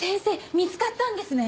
見つかったんですね！